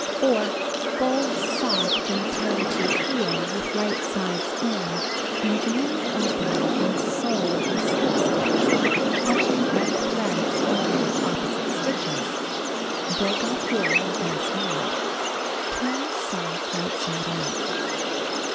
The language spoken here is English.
^s 4. Fold sock from too to iiccl with right sides in, and join the opening in the sole with slip stitch, catching back threads only of opposite stitches. Break off wool and fasten end. Turn sock right side out.